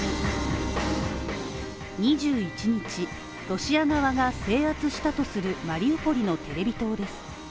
２１日、ロシア側が制圧したとするマリウポリのテレビ塔です。